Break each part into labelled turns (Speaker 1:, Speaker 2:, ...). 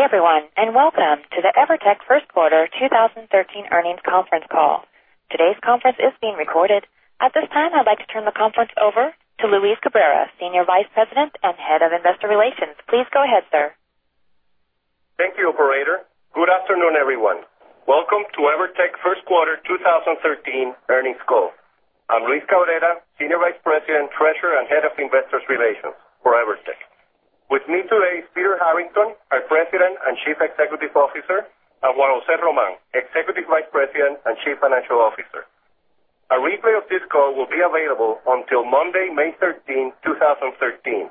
Speaker 1: Good day everyone, welcome to the EVERTEC First Quarter 2013 Earnings Conference Call. Today's conference is being recorded. At this time, I'd like to turn the conference over to Luis Cabrera, Senior Vice President and Head of Investor Relations. Please go ahead, sir.
Speaker 2: Thank you, operator. Good afternoon, everyone. Welcome to EVERTEC First Quarter 2013 Earnings Call. I'm Luis Cabrera, Senior Vice President, Treasurer, and Head of Investor Relations for EVERTEC. With me today is Peter Harrington, our President and Chief Executive Officer, and Juan José Román, Executive Vice President and Chief Financial Officer. A replay of this call will be available until Monday, May 13, 2013.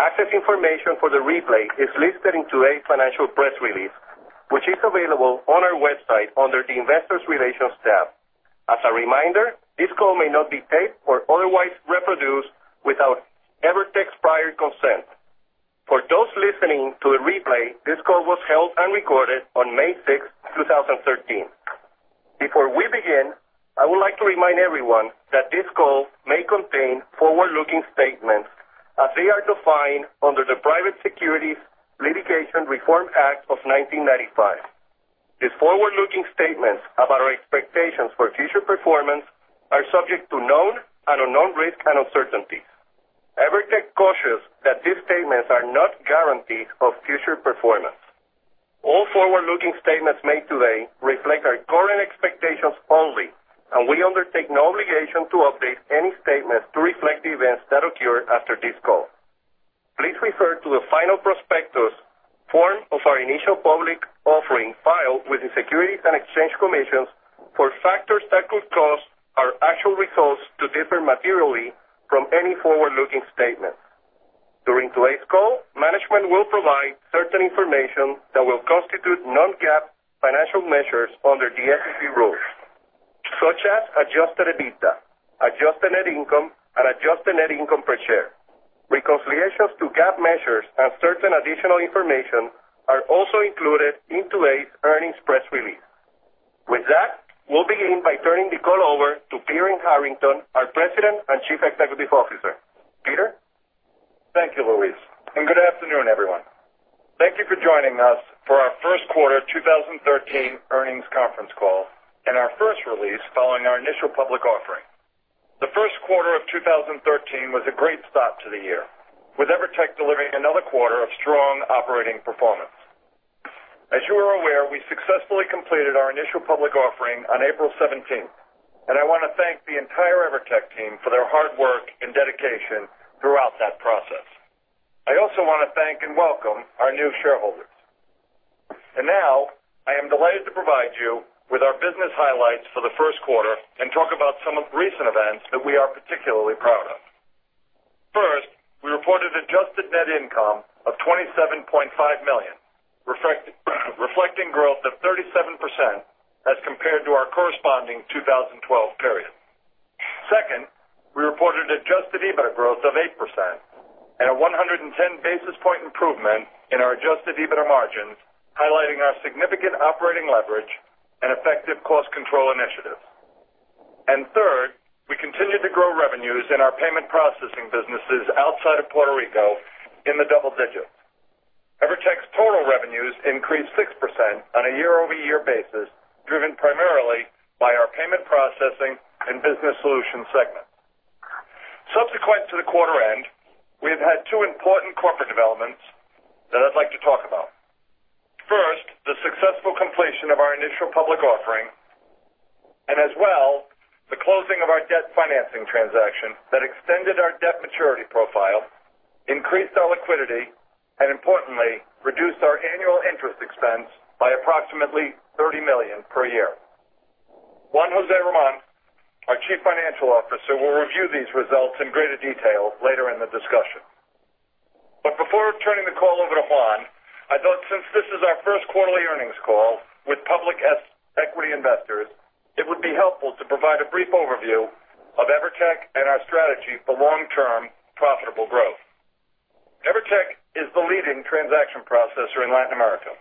Speaker 2: Access information for the replay is listed in today's financial press release, which is available on our website under the Investor Relations tab. As a reminder, this call may not be taped or otherwise reproduced without EVERTEC's prior consent. For those listening to a replay, this call was held and recorded on May 6, 2013. Before we begin, I would like to remind everyone that this call may contain forward-looking statements as they are defined under the Private Securities Litigation Reform Act of 1995. These forward-looking statements about our expectations for future performance are subject to known and unknown risks and uncertainties. EVERTEC cautions that these statements are not guarantees of future performance. All forward-looking statements made today reflect our current expectations only. We undertake no obligation to update any statement to reflect the events that occur after this call. Please refer to the final prospectus form of our initial public offering filed with the Securities and Exchange Commission for factors that could cause our actual results to differ materially from any forward-looking statement. During today's call, management will provide certain information that will constitute non-GAAP financial measures under the SEC rules, such as Adjusted EBITDA, Adjusted Net Income, and Adjusted Net Income per share. Reconciliations to GAAP measures and certain additional information are also included in today's earnings press release. With that, we'll begin by turning the call over to Peter Harrington, our President and Chief Executive Officer. Peter?
Speaker 3: Thank you, Luis, and good afternoon, everyone. Thank you for joining us for our first quarter 2013 earnings conference call and our first release following our initial public offering. The first quarter of 2013 was a great start to the year, with EVERTEC delivering another quarter of strong operating performance. As you are aware, we successfully completed our initial public offering on April 17th, and I want to thank the entire EVERTEC team for their hard work and dedication throughout that process. I also want to thank and welcome our new shareholders. Now I am delighted to provide you with our business highlights for the first quarter and talk about some recent events that we are particularly proud of. First, we reported Adjusted Net Income of $27.5 million, reflecting growth of 37% as compared to our corresponding 2012 period. Second, we reported Adjusted EBIT growth of 8% and a 110 basis point improvement in our Adjusted EBIT margins, highlighting our significant operating leverage and effective cost control initiatives. Third, we continued to grow revenues in our payment processing businesses outside of Puerto Rico in the double digits. EVERTEC's total revenues increased 6% on a year-over-year basis, driven primarily by our payment processing and business solution segments. Subsequent to the quarter end, we have had two important corporate developments that I'd like to talk about. First, the successful completion of our initial public offering, and as well, the closing of our debt financing transaction that extended our debt maturity profile, increased our liquidity, and importantly, reduced our annual interest expense by approximately $30 million per year. Juan José Román, our Chief Financial Officer, will review these results in greater detail later in the discussion. Before turning the call over to Juan, I thought since this is our first quarterly earnings call with public equity investors, it would be helpful to provide a brief overview of EVERTEC and our strategy for long-term profitable growth. EVERTEC is the leading transaction processor in Latin America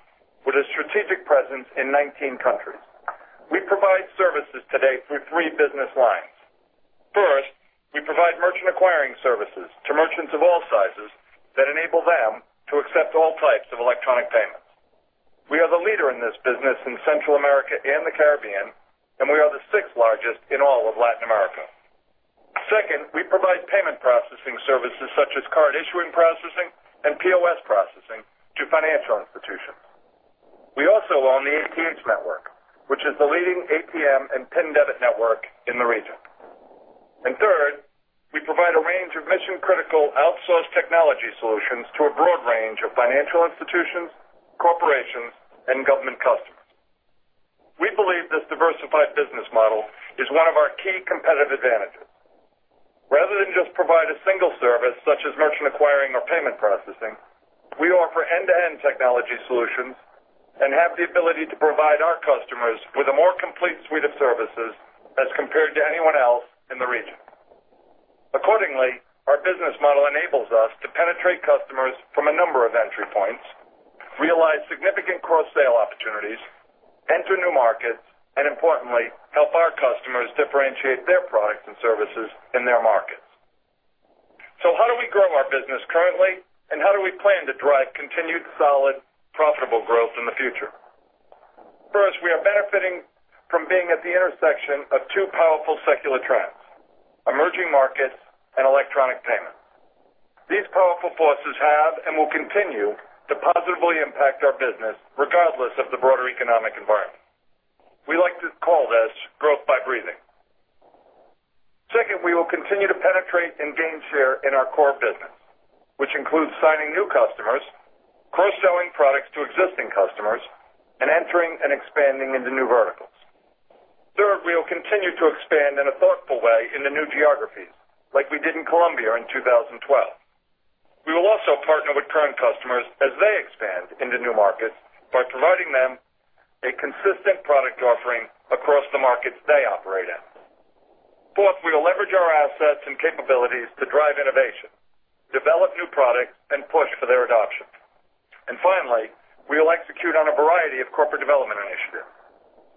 Speaker 3: with a strategic presence in 19 countries. We provide services today through three business lines. First, we provide merchant acquiring services to merchants of all sizes that enable them to accept all types of electronic payments. We are the leader in this business in Central America and the Caribbean, and we are the sixth largest in all of Latin America. Second, we provide payment processing services such as card issuing processing and POS processing to financial institutions. We also own the ATH Network, which is the leading ATM and PIN debit network in the region. Third, we provide a range of mission-critical outsourced technology solutions to a broad range of financial institutions, corporations, and government customers. We believe this diversified business model is one of our key competitive advantages. Rather than just provide a single service such as merchant acquiring or payment processing, we offer end-to-end technology solutions and have the ability to provide our customers with a more complete suite of services as compared to anyone else in the region. Accordingly, our business model enables us to penetrate customers from a number of entry points, realize significant cross-sell opportunities, enter new markets, and importantly, help our customers differentiate their products and services in their markets. How do we grow our business currently, and how do we plan to drive continued solid, profitable growth in the future? First, we are benefiting from being at the intersection of two powerful secular trends, emerging markets and electronic payments. These powerful forces have and will continue to positively impact our business regardless of the broader economic environment. We like to call this growth by breathing. Second, we will continue to penetrate and gain share in our core business, which includes signing new customers, cross-selling products to existing customers, and entering and expanding into new verticals. Third, we will continue to expand in a thoughtful way in the new geographies, like we did in Colombia in 2012. We will also partner with current customers as they expand into new markets by providing them a consistent product offering across the markets they operate in. Fourth, we will leverage our assets and capabilities to drive innovation, develop new products, and push for their adoption. Finally, we will execute on a variety of corporate development initiatives.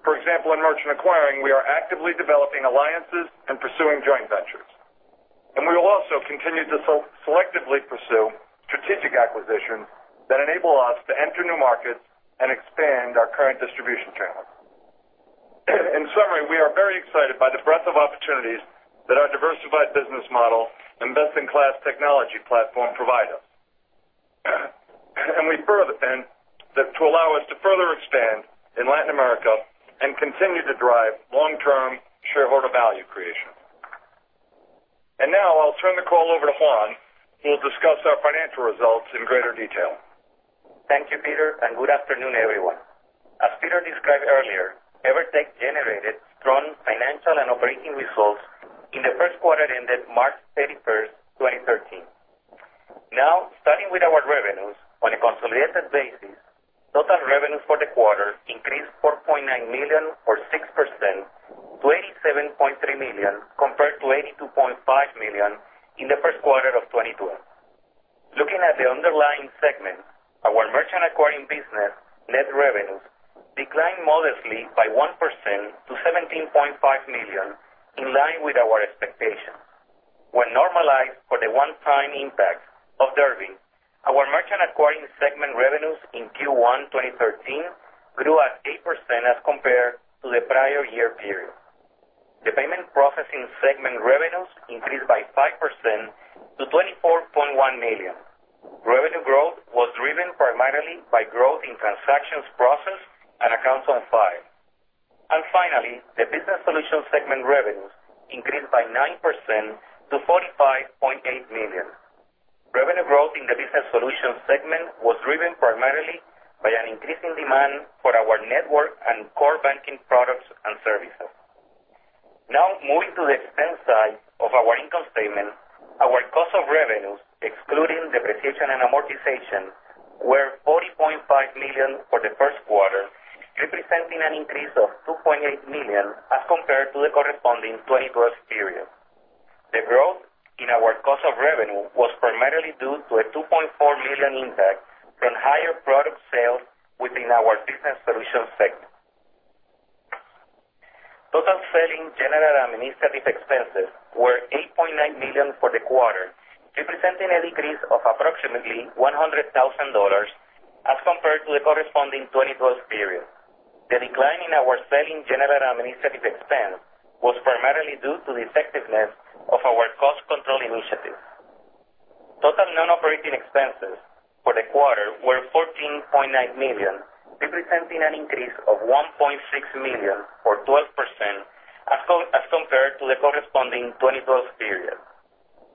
Speaker 3: For example, in merchant acquiring, we are actively developing alliances and pursuing joint ventures. We will also continue to selectively pursue strategic acquisitions that enable us to enter new markets and expand our current distribution channels. In summary, we are very excited by the breadth of opportunities that our diversified business model and best-in-class technology platform provide us. To allow us to further expand in Latin America and continue to drive long-term shareholder value creation. Now I'll turn the call over to Juan, who will discuss our financial results in greater detail.
Speaker 4: Thank you, Peter, and good afternoon, everyone. As Peter described earlier, EVERTEC generated strong financial and operating results in the first quarter that ended March 31st, 2013. Now, starting with our revenues, on a consolidated basis, total revenues for the quarter increased $4.9 million or 6% to $87.3 million, compared to $82.5 million in the first quarter of 2012. Looking at the underlying segment, our merchant acquiring business net revenues declined modestly by 1% to $17.5 million, in line with our expectations. When normalized for the one-time impact of Durbin, our merchant acquiring segment revenues in Q1 2013 grew at 8% as compared to the prior year period. The payment processing segment revenues increased by 5% to $24.1 million. Revenue growth was driven primarily by growth in transactions processed and accounts on file. Finally, the business solutions segment revenues increased by 9% to $45.8 million. Revenue growth in the business solutions segment was driven primarily by an increase in demand for our network and core banking products and services. Now, moving to the expense side of our income statement, our cost of revenues, excluding depreciation and amortization, were $40.5 million for the first quarter, representing an increase of $2.8 million as compared to the corresponding 2012 period. The growth in our cost of revenue was primarily due to a $2.4 million impact from higher product sales within our business solutions segment. Total selling, general, and administrative expenses were $8.9 million for the quarter, representing a decrease of approximately $100,000 as compared to the corresponding 2012 period. The decline in our selling, general, and administrative expense was primarily due to the effectiveness of our cost control initiatives. Total non-operating expenses for the quarter were $14.9 million, representing an increase of $1.6 million or 12% as compared to the corresponding 2012 period.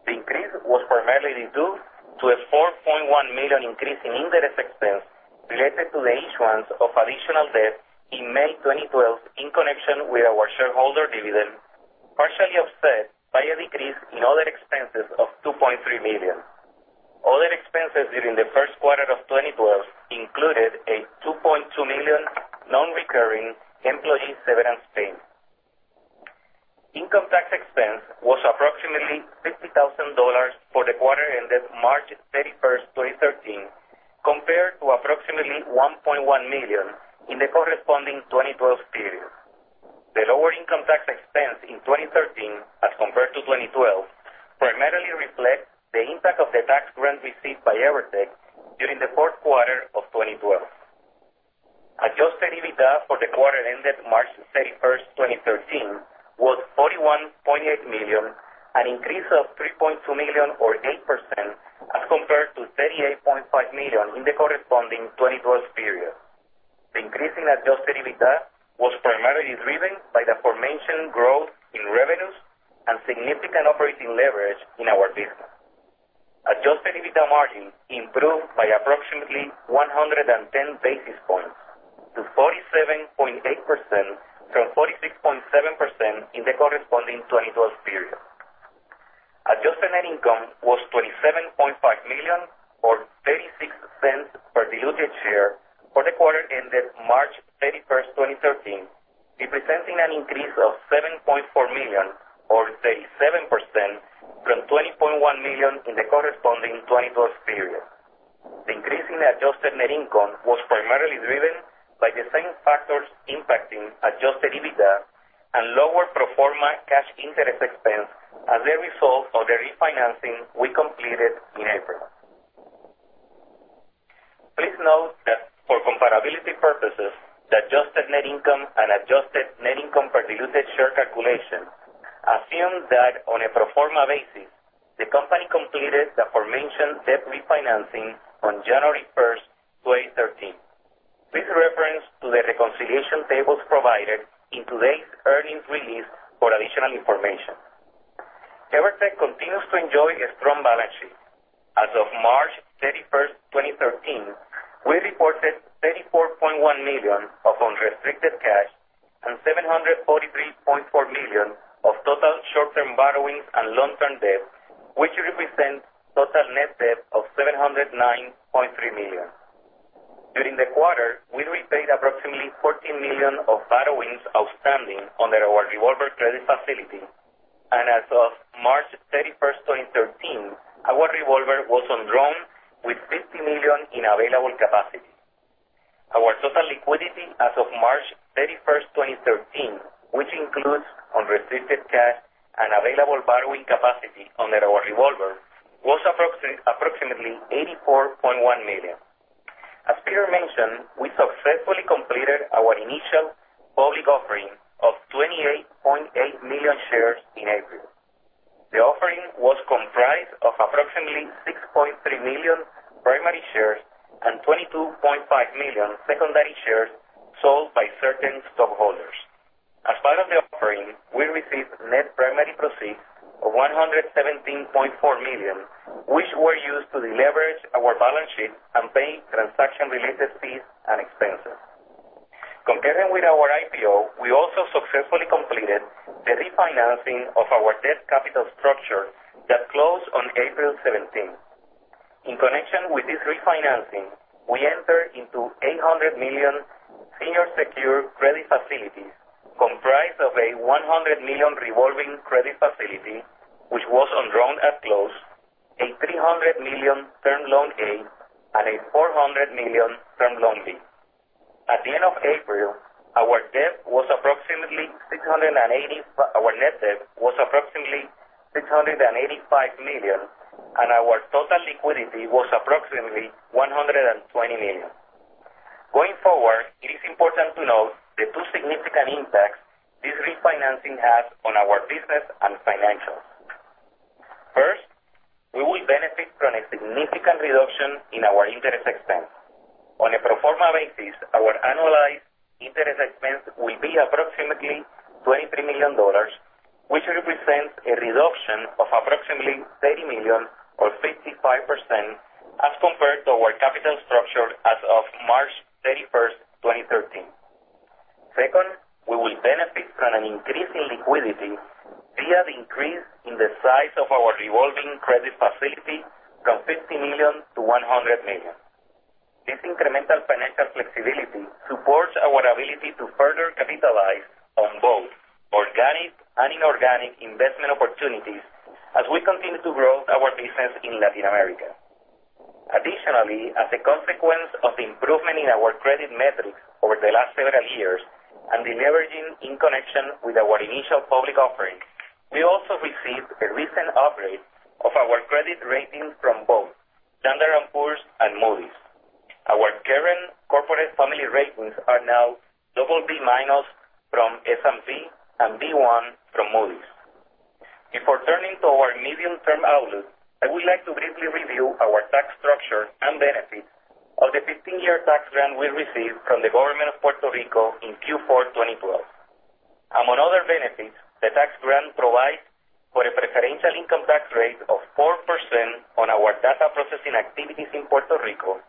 Speaker 4: The increase was primarily due to a $4.1 million increase in interest expense related to the issuance of additional debt in May 2012 in connection with our shareholder dividend, partially offset by a decrease in other expenses of $2.3 million. Other expenses during the first quarter of 2012 included a $2.2 million non-recurring employee severance payment. Income tax expense was approximately $50,000 for the quarter ended March 31st, 2013, compared to approximately $1.1 million in the corresponding 2012 period. The lower income tax expense in 2013 as compared to 2012 primarily reflects the impact of the tax grant received by EVERTEC during the fourth quarter of 2012. Adjusted EBITDA for the quarter ended March 31st, 2013, was $41.8 million, an increase of $3.2 million or 8% as compared to $38.5 million in the corresponding 2012 period. The increase in Adjusted EBITDA was primarily driven by the aforementioned growth in revenues and significant operating leverage in our business. Adjusted EBITDA margin improved by approximately 110 basis points to 47.8% from 46.7% in the corresponding 2012 period. Adjusted Net Income was $27.5 million, or $0.36 per diluted share for the quarter ended March 31st, 2013, representing an increase of $7.4 million or 37% from $20.1 million in the corresponding 2012 period. Increase in Adjusted Net Income was primarily driven by the same factors impacting Adjusted EBITDA and lower pro forma cash interest expense as a result of the refinancing we completed in April. Please note that for comparability purposes, the Adjusted Net Income and Adjusted Net Income per diluted share calculation assume that on a pro forma basis, the company completed the aforementioned debt refinancing on January 1st, 2013. Please reference the reconciliation tables provided in today's earnings release for additional information. EVERTEC continues to enjoy a strong balance sheet. As of March 31st, 2013, we reported $34.1 million of unrestricted cash and $743.4 million of total short-term borrowings and long-term debt, which represents total net debt of $709.3 million. During the quarter, we repaid approximately $14 million of borrowings outstanding under our revolver credit facility. As of March 31st, 2013, our revolver was undrawn with $50 million in available capacity. Our total liquidity as of March 31st, 2013, which includes unrestricted cash and available borrowing capacity under our revolver, was approximately $84.1 million. As Peter mentioned, we successfully completed our initial public offering of 28.8 million shares in April. The offering was comprised of approximately 6.3 million primary shares and 22.5 million secondary shares sold by certain stockholders. As part of the offering, we received net primary proceeds of $117.4 million, which were used to deleverage our balance sheet and pay transaction-related fees and expenses. Concurrently with our IPO, we also successfully completed the refinancing of our debt capital structure that closed on April 17th. In connection with this refinancing, we entered into $800 million senior secured credit facilities comprised of a $100 million revolving credit facility, which was undrawn at close, a $300 million Term Loan A, and a $400 million Term Loan B. At the end of April, our net debt was approximately $685 million, and our total liquidity was approximately $120 million. Going forward, it is important to note the two significant impacts this refinancing has on our business and financials. First, we will benefit from a significant reduction in our interest expense. On a pro forma basis, our annualized interest expense will be approximately $23 million, which represents a reduction of approximately $30 million or 55% as compared to our capital structure as of March 31st, 2013. Second, we will benefit from an increase in liquidity via the increase in the size of our revolving credit facility from $50 million to $100 million. This incremental financial flexibility supports our ability to further capitalize on both organic and inorganic investment opportunities as we continue to grow our business in Latin America. Additionally, as a consequence of the improvement in our credit metrics over the last several years and the leveraging in connection with our initial public offering, we also received a recent upgrade of our credit ratings from both Standard & Poor's and Moody's. Our current corporate family ratings are now BB- from S&P and Ba1 from Moody's. Before turning to our medium-term outlook, I would like to briefly review our tax structure and benefits of the 15-year tax grant we received from the government of Puerto Rico in Q4 2012. Among other benefits, the tax grant provides for a preferential income tax rate of 4% on our data processing activities in Puerto Rico,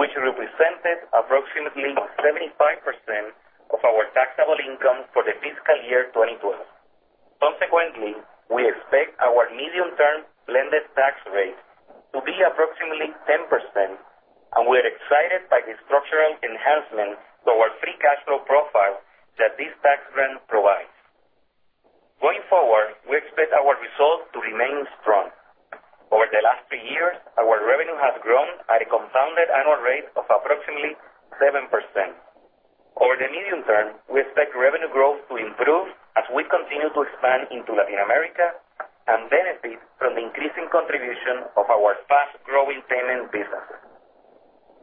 Speaker 4: which represented approximately 75% of our taxable income for the fiscal year 2012. Consequently, we expect our medium-term blended tax rate to be approximately 10%, and we are excited by the structural enhancement to our free cash flow profile that this tax grant provides. Going forward, we expect our results to remain strong. Over the last three years, our revenue has grown at a compounded annual rate of approximately 7%. Over the medium term, we expect revenue growth to improve as we continue to expand into Latin America and benefit from the increasing contribution of our fast-growing payment business.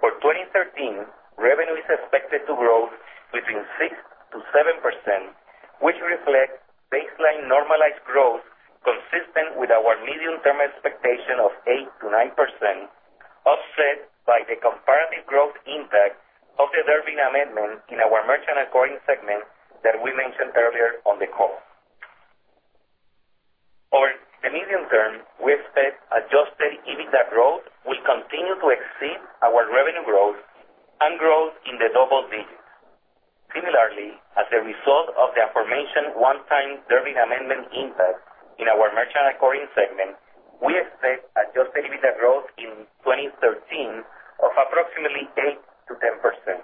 Speaker 4: For 2013, revenue is expected to grow between 6%-7%, which reflects baseline normalized growth consistent with our medium-term expectation of 8%-9%, offset by the comparative growth impact of the Durbin Amendment in our Merchant Acquiring segment that we mentioned earlier on the call. Over the medium term, we expect Adjusted EBITDA growth will continue to exceed our revenue growth and growth in the double digits. Similarly, as a result of the aforementioned one-time Durbin Amendment impact in our Merchant Acquiring segment, we expect Adjusted EBITDA growth in 2013 of approximately 8%-10%.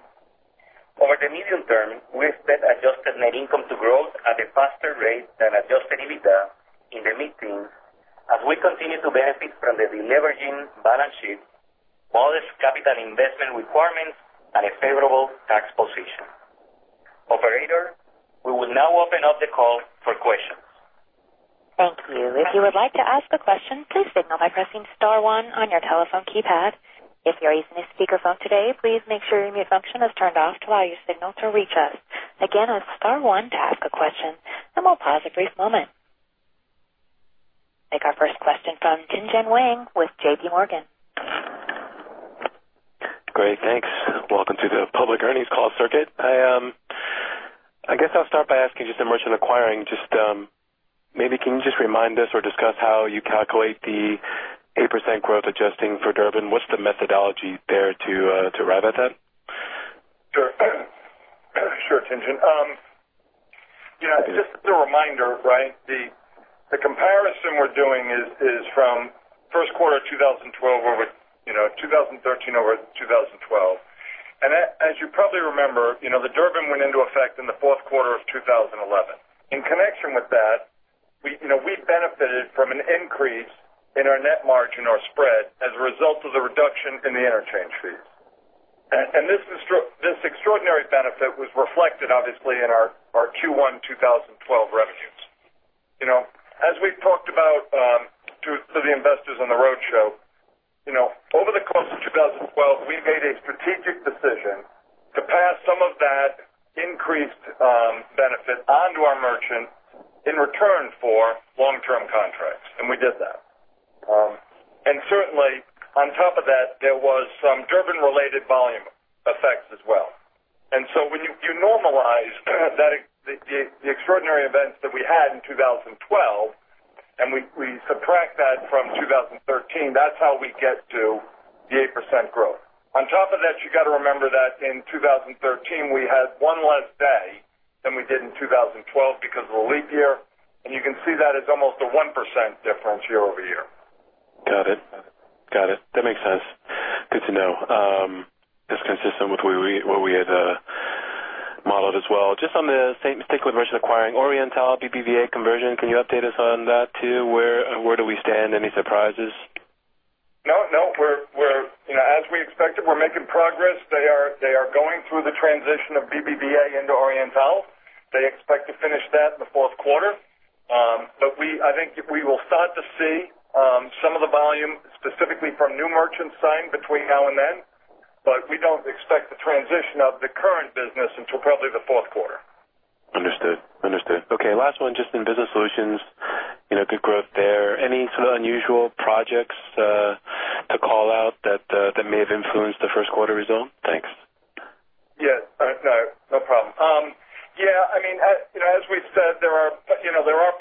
Speaker 3: Over the medium term, we expect Adjusted Net Income to grow at a faster rate than Adjusted EBITDA in the mid-teen as we continue to benefit from the deleveraging balance sheet, modest capital investment requirements and a favorable tax position. Operator, we will now open up the call for questions.
Speaker 1: Thank you. If you are like to ask a question, please signal by pressing star one on your telephone keypad. If you are using a speakerphone today, please make sure your mute function is turned off to allow your signal to reach us. Again, that is star one to ask a question, and we will pause a brief moment. Take our first question from Tien-Tsin Huang with JPMorgan.
Speaker 5: Great, thanks. Welcome to the public earnings call circuit. I guess I will start by asking just in merchant acquiring, maybe can you just remind us or discuss how you calculate the 8% growth adjusting for Durbin? What is the methodology there to arrive at that?
Speaker 3: Sure. Sure, Tien-Tsin. Just as a reminder, the comparison we are doing is from first quarter of 2013 over 2012. As you probably remember, the Durbin went into effect in the fourth quarter of 2011. In connection with that, we benefited from an increase in our net margin or spread as a result of the reduction in the interchange fees. This extraordinary benefit was reflected obviously in our Q1 2012 revenues. As we have talked about to the investors on the roadshow, over the course of 2012, we made a strategic decision to pass some of that increased benefit onto our merchants in return for long-term contracts, and we did that. Certainly on top of that, there was some Durbin-related volume effects as well. When you normalize the extraordinary events that we had in 2012, and we subtract that from 2013, that's how we get to the 8% growth. On top of that, you got to remember that in 2013, we had one less day than we did in 2012 because of the leap year, and you can see that as almost a 1% difference year-over-year.
Speaker 5: Got it. That makes sense. Good to know. It's consistent with what we had modeled as well. Just on the same thing with merchant acquiring, Oriental BBVA conversion, can you update us on that too? Where do we stand? Any surprises?
Speaker 3: No. As we expected, we're making progress. They are going through the transition of BBVA into Oriental. They expect to finish that in the fourth quarter. I think we will start to see some of the volume specifically from new merchants signed between now and then. We don't expect the transition of the current business until probably the fourth quarter.
Speaker 5: Understood. Okay. Last one, just in business solutions, good growth there. Any sort of unusual projects to call out that may have influenced the first quarter result? Thanks.
Speaker 3: Yes. No, no problem. As we've said, there are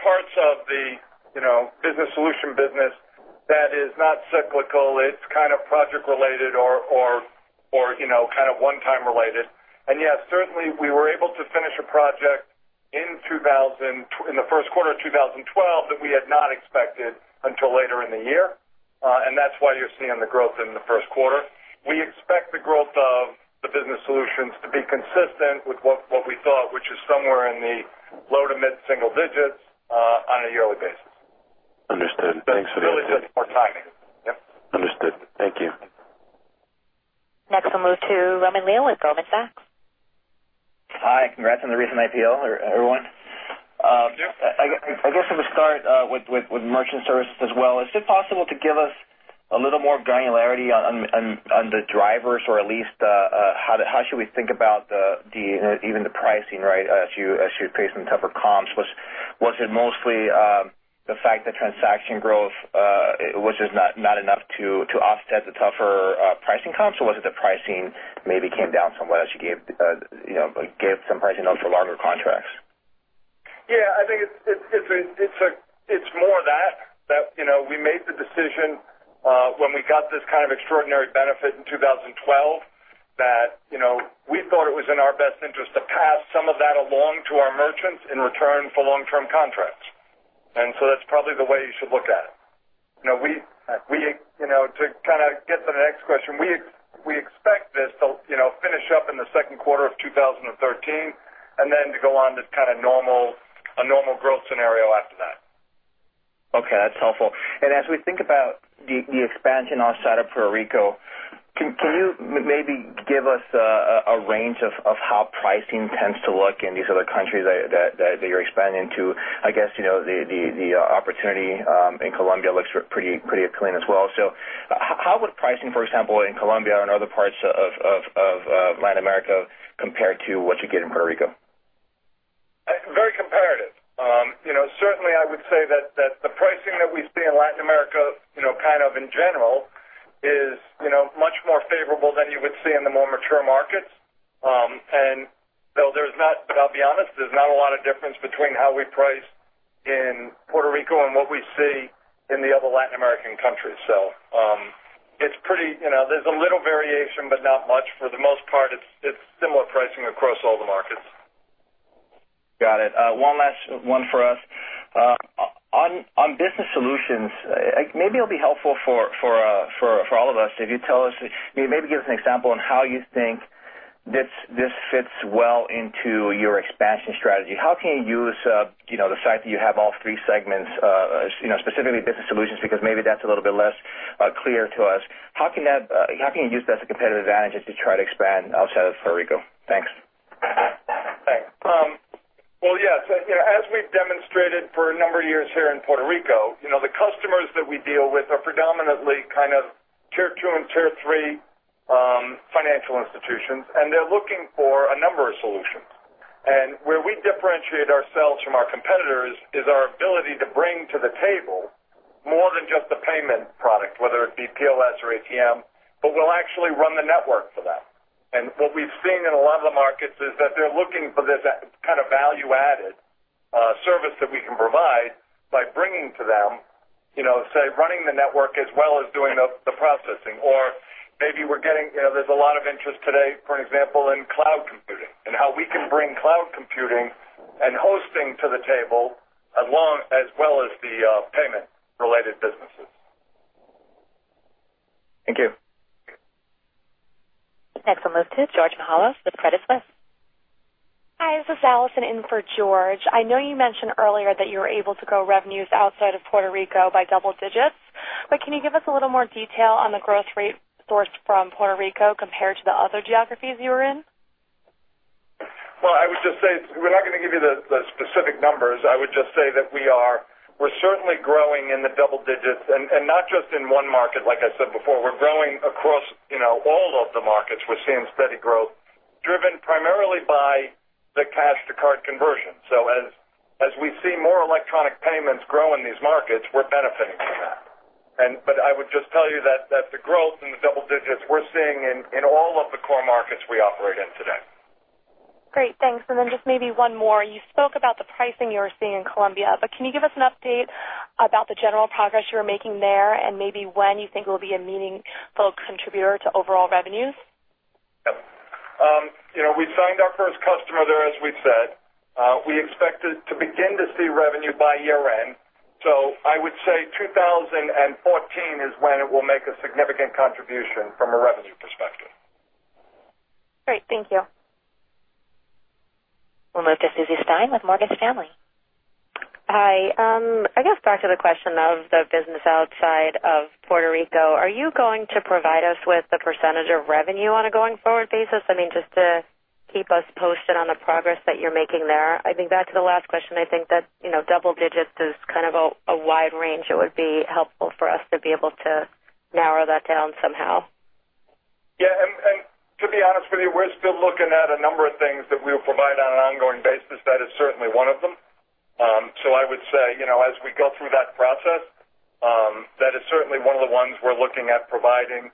Speaker 3: parts of the business solution business that is not cyclical. It's kind of project related or one time related. Yes, certainly we were able to finish a project in the first quarter of 2012 that we had not expected until later in the year. That's why you're seeing the growth in the first quarter. We expect the growth of the business solutions to be consistent with what we thought, which is somewhere in the low to mid single digits on a yearly basis.
Speaker 5: Understood. Thanks for that.
Speaker 3: It's really just more timing. Yep.
Speaker 5: Understood. Thank you.
Speaker 1: Next we'll move to Roman Leal with Goldman Sachs.
Speaker 6: Hi. Congrats on the recent IPO, everyone.
Speaker 3: Thank you.
Speaker 6: I guess I'm going to start with merchant services as well. Is it possible to give us a little more granularity on the drivers or at least how should we think about even the pricing as you pay some tougher comps? Was it mostly the fact that transaction growth was just not enough to offset the tougher pricing comps? Was it the pricing maybe came down somewhat as you gave some pricing notes for longer contracts?
Speaker 3: I think it's more that we made the decision when we got this kind of extraordinary benefit in 2012 that we thought it was in our best interest to pass some of that along to our merchants in return for long-term contracts. That's probably the way you should look at it. To get to the next question, we expect this to finish up in the second quarter of 2013 and then to go on this kind of a normal growth scenario after that.
Speaker 6: That's helpful. As we think about the expansion outside of Puerto Rico, can you maybe give us a range of how pricing tends to look in these other countries that you're expanding into? I guess the opportunity in Colombia looks pretty clean as well. How would pricing, for example, in Colombia and other parts of Latin America compare to what you get in Puerto Rico?
Speaker 3: Very comparative. Certainly I would say that the pricing that we see in Latin America in general is much more favorable than you would see in the more mature markets. I'll be honest, there's not a lot of difference between how we price in Puerto Rico and what we see in the other Latin American countries. There's a little variation, but not much. For the most part, it's similar pricing across all the markets.
Speaker 6: One last one for us. On business solutions, maybe it'll be helpful for all of us if you maybe give us an example on how you think this fits well into your expansion strategy. How can you use the fact that you have all three segments, specifically business solutions, because maybe that's a little bit less clear to us. How can you use that as a competitive advantage as you try to expand outside of Puerto Rico?
Speaker 3: Thanks. Well, yes. As we've demonstrated for a number of years here in Puerto Rico, the customers that we deal with are predominantly kind of tier 2 and tier 3 financial institutions. They're looking for a number of solutions. Where we differentiate ourselves from our competitors is our ability to bring to the table more than just the payment product, whether it be POS or ATM, but we'll actually run the network for them. What we've seen in a lot of the markets is that they're looking for this kind of value-added service that we can provide by bringing to them, say, running the network as well as doing the processing. Maybe there's a lot of interest today, for an example, in cloud computing and how we can bring cloud computing and hosting to the table as well as the payment-related businesses.
Speaker 6: Thank you.
Speaker 1: Next, we'll move to George Mihalos with Credit Suisse.
Speaker 7: Hi, this is Alison in for George. I know you mentioned earlier that you were able to grow revenues outside of Puerto Rico by double digits. Can you give us a little more detail on the growth rate sourced from Puerto Rico compared to the other geographies you are in?
Speaker 3: Well, I would just say we're not going to give you the specific numbers. I would just say that we're certainly growing in the double digits and not just in one market. Like I said before, we're growing across all of the markets. We're seeing steady growth driven primarily by the cash to card conversion. As we see more electronic payments grow in these markets, we're benefiting from that. I would just tell you that the growth in the double digits we're seeing in all of the core markets we operate in today.
Speaker 7: Great. Thanks. Then just maybe one more. You spoke about the pricing you were seeing in Colombia, can you give us an update about the general progress you're making there and maybe when you think it will be a meaningful contributor to overall revenues?
Speaker 3: Yep. We signed our first customer there as we've said. We expect to begin to see revenue by year-end. I would say 2014 is when it will make a significant contribution from a revenue perspective.
Speaker 7: Great. Thank you.
Speaker 1: We'll move to Suzanne Stein with Morgan Stanley.
Speaker 8: Hi. I guess back to the question of the business outside of Puerto Rico. Are you going to provide us with the percentage of revenue on a going forward basis? I mean, just to keep us posted on the progress that you're making there. I think back to the last question, I think that double digits is kind of a wide range. It would be helpful for us to be able to narrow that down somehow.
Speaker 3: Yeah. To be honest with you, we're still looking at a number of things that we'll provide on an ongoing basis. That is certainly one of them. I would say, as we go through that process, that is certainly one of the ones we're looking at providing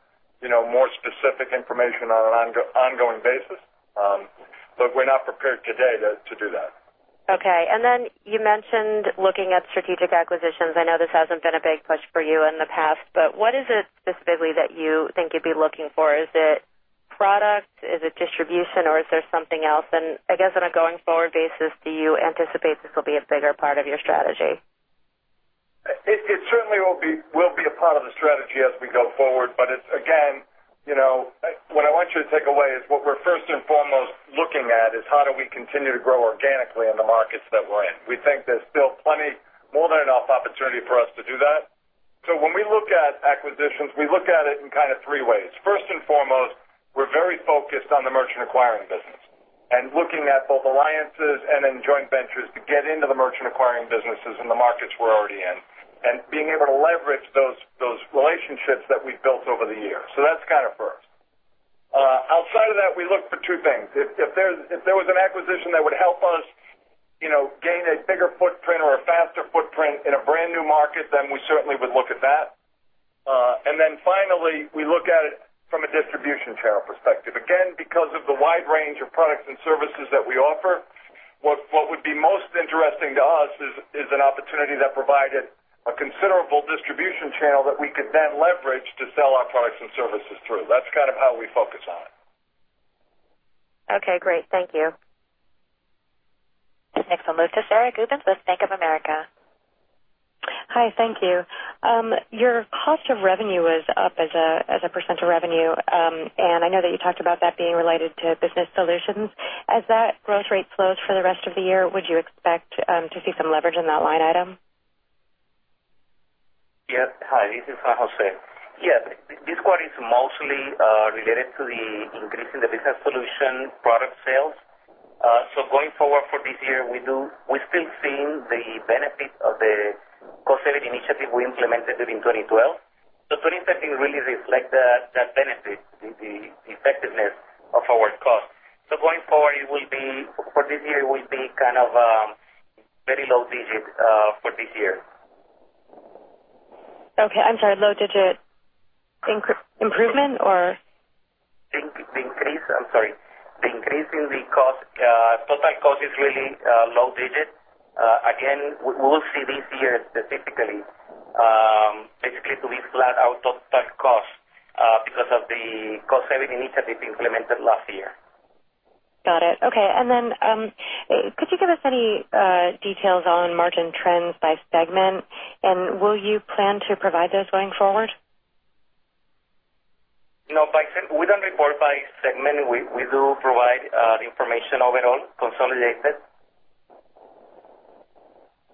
Speaker 3: more specific information on an ongoing basis. We're not prepared today to do that.
Speaker 8: Okay. You mentioned looking at strategic acquisitions. I know this hasn't been a big push for you in the past, what is it specifically that you think you'd be looking for? Is it product? Is it distribution, is there something else? I guess on a going forward basis, do you anticipate this will be a bigger part of your strategy?
Speaker 3: It certainly will be a part of the strategy as we go forward. Again, what I want you to take away is what we're first and foremost looking at is how do we continue to grow organically in the markets that we're in. We think there's still plenty, more than enough opportunity for us to do that. When we look at acquisitions, we look at it in kind of three ways. First and foremost, we're very focused on the merchant acquiring business and looking at both alliances and in joint ventures to get into the merchant acquiring businesses in the markets we're already in, and being able to leverage those relationships that we've built over the years. That's kind of first. Outside of that, we look for two things. If there was an acquisition that would help us gain a bigger footprint or a faster footprint in a brand new market, then we certainly would look at that. Finally, we look at it from a distribution channel perspective. Again, because of the wide range of products and services that we offer, what would be most interesting to us is an opportunity that provided a considerable distribution channel that we could then leverage to sell our products and services through. That's kind of how we focus on it.
Speaker 8: Okay, great. Thank you.
Speaker 1: Next, I'll move to Sara Gubins with Bank of America.
Speaker 9: Hi, thank you. Your cost of revenue was up as a % of revenue. I know that you talked about that being related to business solutions. As that growth rate slows for the rest of the year, would you expect to see some leverage in that line item?
Speaker 4: Yes. Hi, this is Juan José. Yes, this quarter is mostly related to the increase in the business solution product sales. Going forward for this year, we're still seeing the benefit of the cost-saving initiative we implemented in 2012. 2013 really reflect that benefit, the effectiveness of our cost. Going forward, for this year, it will be kind of very low digits for this year.
Speaker 9: Okay. I'm sorry, low digit improvement or?
Speaker 4: The increase, I'm sorry. The increase in the cost, total cost is really low digits. Again, we will see this year specifically. Basically to be flat out of total cost. Because of the cost-saving initiative implemented last year.
Speaker 9: Got it. Okay. Could you give us any details on margin trends by segment, and will you plan to provide those going forward?
Speaker 4: No. We don't report by segment. We do provide the information overall, consolidated.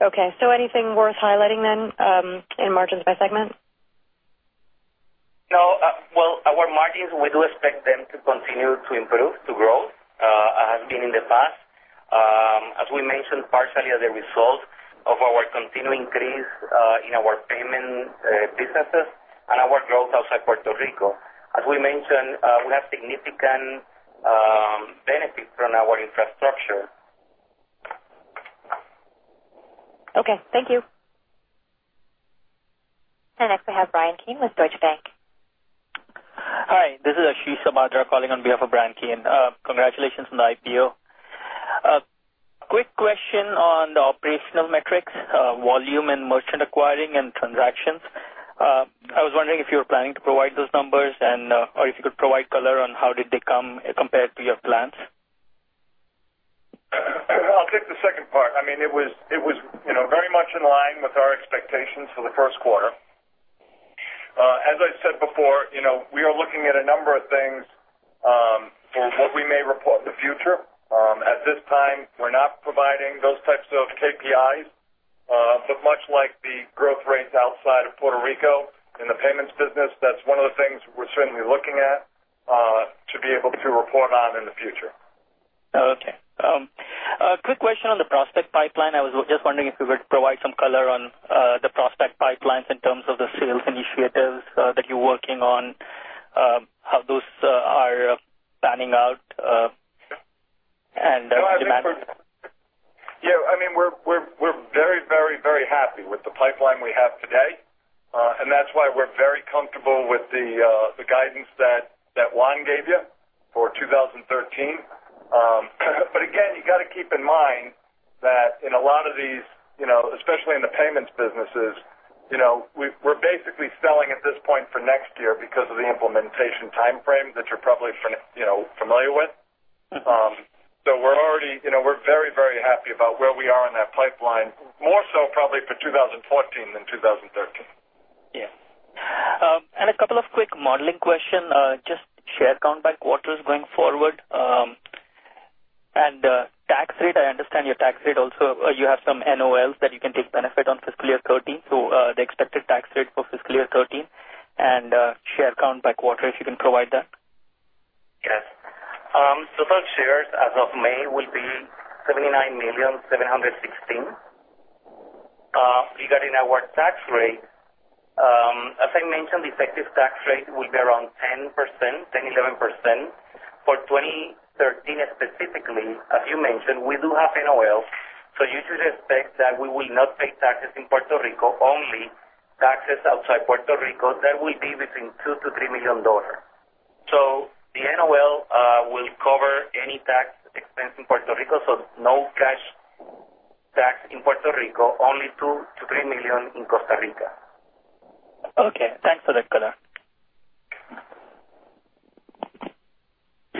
Speaker 9: Okay. Anything worth highlighting then in margins by segment?
Speaker 4: No. Well, our margins, we do expect them to continue to improve, to grow, as has been in the past. As we mentioned, partially as a result of our continued increase in our payment businesses and our growth outside Puerto Rico. As we mentioned, we have significant benefits from our infrastructure.
Speaker 9: Okay. Thank you.
Speaker 1: Next, I have Bryan Keane with Deutsche Bank.
Speaker 10: Hi, this is Ashish Sabadra calling on behalf of Bryan Keane. Congratulations on the IPO. A quick question on the operational metrics, volume and merchant acquiring and transactions. I was wondering if you were planning to provide those numbers and or if you could provide color on how did they come compared to your plans.
Speaker 3: I'll take the second part. It was very much in line with our expectations for the first quarter. As I said before, we are looking at a number of things for what we may report in the future. At this time, we're not providing those types of KPIs. Much like the growth rates outside of Puerto Rico in the payments business, that's one of the things we're certainly looking at to be able to report on in the future.
Speaker 10: Okay. A quick question on the prospect pipeline. I was just wondering if you would provide some color on the prospect pipelines in terms of the sales initiatives that you're working on, how those are panning out.
Speaker 3: Yeah. We're very happy with the pipeline we have today. That's why we're very comfortable with the guidance that Juan gave you for 2013. Again, you got to keep in mind that in a lot of these, especially in the payments businesses, we're basically selling at this point for next year because of the implementation timeframe that you're probably familiar with. We're very happy about where we are in that pipeline, more so probably for 2014 than 2013.
Speaker 10: Yeah. A couple of quick modeling question. Just share count by quarters going forward. Tax rate, I understand your tax rate also, you have some NOLs that you can take benefit on fiscal year 2013. The expected tax rate for fiscal year 2013 and share count by quarter, if you can provide that.
Speaker 4: Yes. Total shares as of May will be 79,716,000. Regarding our tax rate, as I mentioned, the effective tax rate will be around 10%, 10%, 11%. For 2013 specifically, as you mentioned, we do have NOLs, so you should expect that we will not pay taxes in Puerto Rico, only taxes outside Puerto Rico. That will be between $2 million to $3 million. So the NOL will cover any tax expense in Puerto Rico, so no cash tax in Puerto Rico, only $2 million to $3 million in Costa Rica.
Speaker 10: Okay. Thanks for that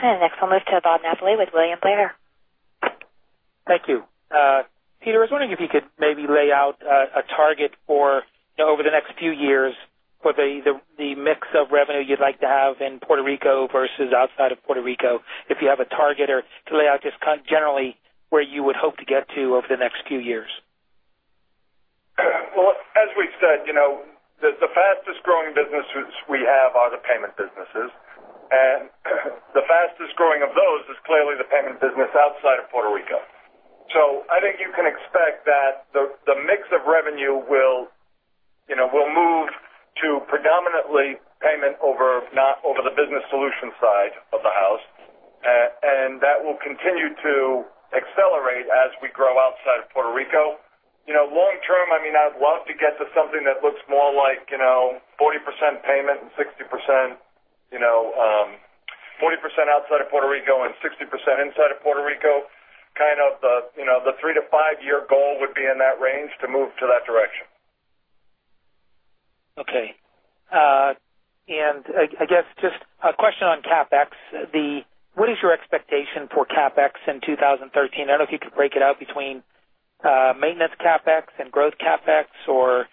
Speaker 10: color.
Speaker 1: Next, I'll move to Bob Napoli with William Blair.
Speaker 11: Thank you. Peter, I was wondering if you could maybe lay out a target for over the next few years for the mix of revenue you'd like to have in Puerto Rico versus outside of Puerto Rico, if you have a target or to lay out just generally where you would hope to get to over the next few years.
Speaker 3: Well, as we've said, the fastest-growing businesses we have are the payment businesses, and the fastest-growing of those is clearly the payment business outside of Puerto Rico. I think you can expect that the mix of revenue will move to predominantly payment over the business solution side of the house. That will continue to accelerate as we grow outside of Puerto Rico. Long-term, I would love to get to something that looks more like 40% outside of Puerto Rico and 60% inside of Puerto Rico. Kind of the three- to five-year goal would be in that range to move to that direction.
Speaker 11: Okay. I guess just a question on CapEx. What is your expectation for CapEx in 2013? I don't know if you could break it out between maintenance CapEx and growth CapEx, or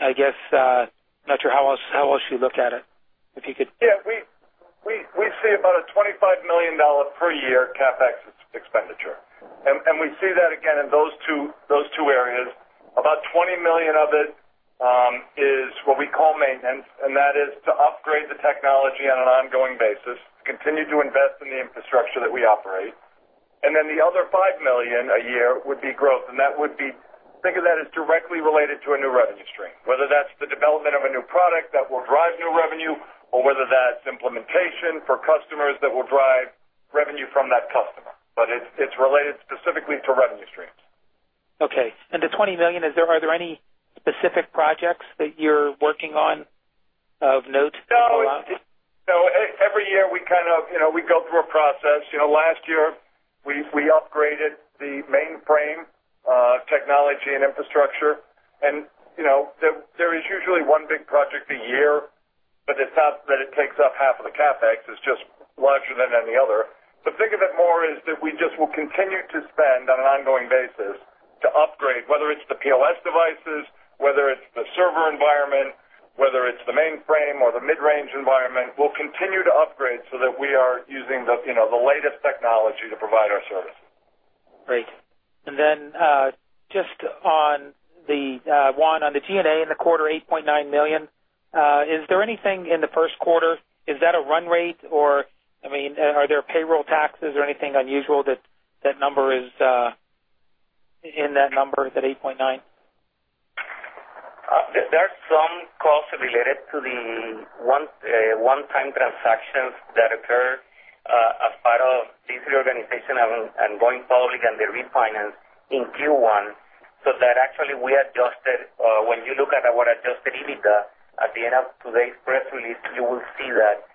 Speaker 11: I guess, not sure how else you look at it.
Speaker 3: Yeah. We see about a $25 million per year CapEx expenditure. We see that again in those two areas. About $20 million of it is what we call maintenance, that is to upgrade the technology on an ongoing basis, to continue to invest in the infrastructure that we operate. Then the other $5 million a year would be growth. Think of that as directly related to a new revenue stream, whether that's the development of a new product that will drive new revenue or whether that's implementation for customers that will drive revenue from that customer. It's related specifically to revenue streams.
Speaker 11: Okay. The $20 million, are there any specific projects that you're working on of note to call out?
Speaker 3: No. Every year we go through a process. Last year we upgraded the mainframe of technology and infrastructure. There is usually one big project a year, but it's not that it takes up half of the CapEx. It's just larger than any other. Think of it more as that we just will continue to spend on an ongoing basis to upgrade, whether it's the POS devices, whether it's the server environment, whether it's the mainframe or the mid-range environment. We'll continue to upgrade so that we are using the latest technology to provide our services.
Speaker 11: Great. Just on the, Juan, on the G&A in the quarter, $8.9 million. Is there anything in the first quarter? Is that a run rate or are there payroll taxes or anything unusual that number is in that number, that $8.9?
Speaker 4: There are some costs related to the one-time transactions that occur as part of this reorganization and going public and the refinance in Q1, that actually we adjusted. When you look at our Adjusted EBITDA at the end of today's press release, you will see that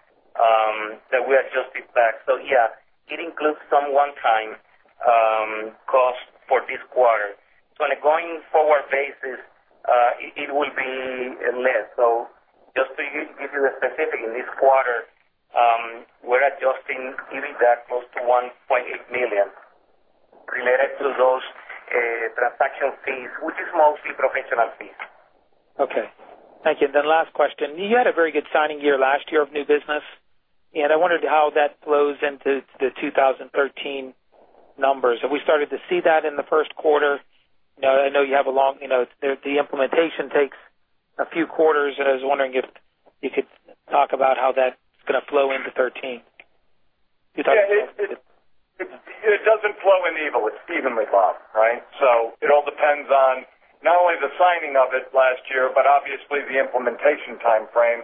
Speaker 4: we adjusted back. Yeah, it includes some one-time costs for this quarter. On a going forward basis, it will be less. Just to give you the specific, in this quarter, we're adjusting EBITDA close to $1.8 million related to those transaction fees, which is mostly professional fees.
Speaker 11: Okay. Thank you. Last question. You had a very good signing year last year of new business, I wondered how that flows into the 2013 numbers. Have we started to see that in the first quarter? I know the implementation takes a few quarters, I was wondering if you could talk about how that's going to flow into 2013.
Speaker 3: Yeah. It doesn't flow in even. It's evenly though, right? It all depends on not only the signing of it last year, but obviously the implementation timeframe.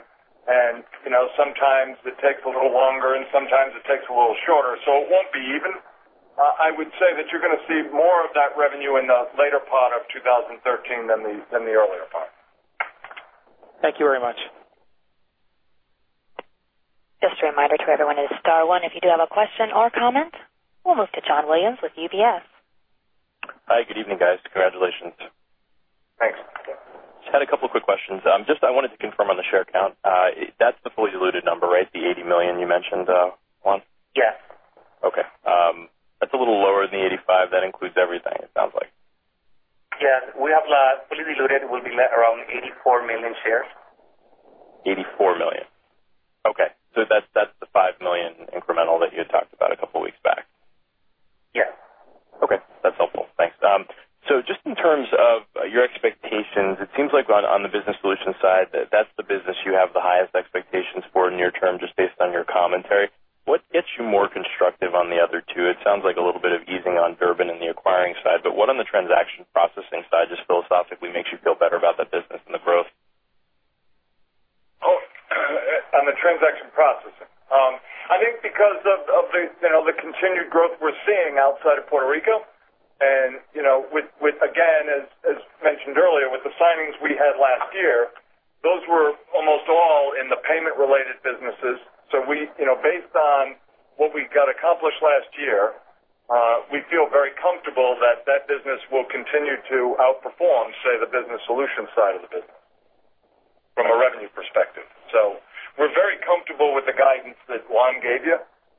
Speaker 3: Sometimes it takes a little longer and sometimes it takes a little shorter, so it won't be even. I would say that you're going to see more of that revenue in the later part of 2013 than the earlier part.
Speaker 11: Thank you very much.
Speaker 1: Just a reminder to everyone is star one if you do have a question or comment. We'll move to John Williams with UBS.
Speaker 12: Hi. Good evening, guys. Congratulations.
Speaker 3: Thanks.
Speaker 12: Just had a couple of quick questions. I wanted to confirm on the share count. That's the fully diluted number, right? The 80 million you mentioned, Juan?
Speaker 4: Yes.
Speaker 12: Okay. That's a little lower than the 85. That includes everything, it sounds like.
Speaker 4: Yes. We have fully diluted will be around 84 million shares.
Speaker 12: 84 million. Okay. That's the 5 million incremental that you had talked about a couple of weeks back.
Speaker 4: Yes.
Speaker 12: Okay. That's helpful. Thanks. Just in terms of your expectations, it seems like on the business solution side, that's the business you have the highest expectations for near term, just based on your commentary. What gets you more constructive on the other two? It sounds like a little bit of easing on Durbin in the acquiring side, what on the transaction processing side, just philosophically makes you feel better about that business and the growth?
Speaker 3: On the transaction processing. I think because of the continued growth we're seeing outside of Puerto Rico, with, again, as mentioned earlier, with the signings we had last year, those were almost all in the payment-related businesses. Based on what we got accomplished last year, we feel very comfortable that that business will continue to outperform, say, the business solution side of the business from a revenue perspective. We're very comfortable with the guidance that Juan gave you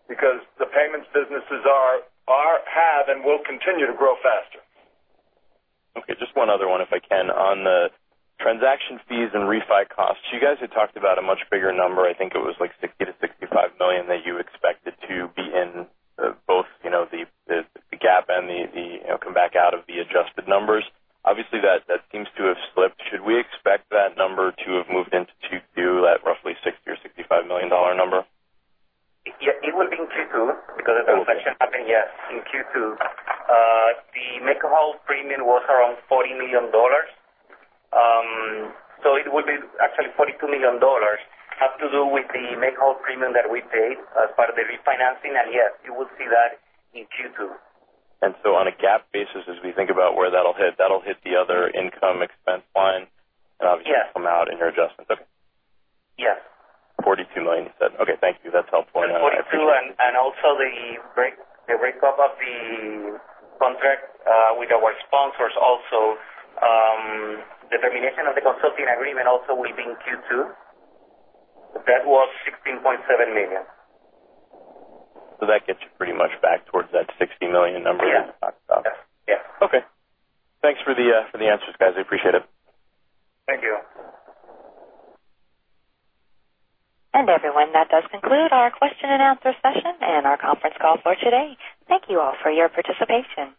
Speaker 3: because the payments businesses have and will continue to grow faster.
Speaker 12: Okay, just one other one, if I can. On the transaction fees and refi costs, you guys had talked about a much bigger number. I think it was like $60 million-$65 million that you expected to be in both the GAAP and come back out of the adjusted numbers. Obviously, that seems to have slipped. Should we expect that number to have moved into Q2, that roughly $60 million or $65 million number?
Speaker 4: Yeah, it will be in Q2 because the transaction happened, yes, in Q2. The make-whole premium was around $40 million. It will be actually $42 million, have to do with the make-whole premium that we paid as part of the refinancing, and yes, you will see that in Q2.
Speaker 12: On a GAAP basis, as we think about where that'll hit, that'll hit the other income expense line.
Speaker 4: Yes
Speaker 12: Obviously come out in your adjustments. Okay.
Speaker 4: Yes.
Speaker 12: $42 million, you said? Okay. Thank you. That's helpful. I appreciate it.
Speaker 4: $42, also the breakup of the contract with our sponsors also. The termination of the consulting agreement also will be in Q2. That was $16.7 million.
Speaker 12: That gets you pretty much back towards that $60 million number that you talked about.
Speaker 4: Yes.
Speaker 12: Okay. Thanks for the answers, guys. I appreciate it.
Speaker 3: Thank you.
Speaker 1: Everyone, that does conclude our question and answer session and our conference call for today. Thank you all for your participation.